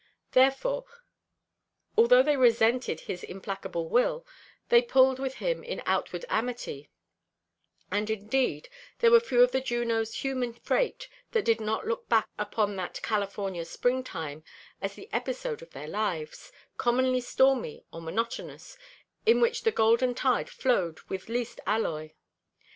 Therefore, although they resented his implacable will, they pulled with him in outward amity; and indeed there were few of the Juno's human freight that did not look back upon that California springtime as the episode of their lives, commonly stormy or monotonous, in which the golden tide flowed with least alloy.